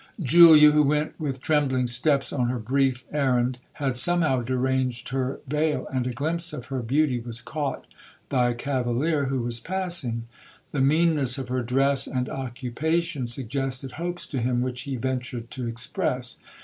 'Julia, who went with trembling steps on her brief errand, had somehow deranged her veil, and a glimpse of her beauty was caught by a cavalier who was passing. The meanness of her dress and occupation suggested hopes to him which he ventured to express.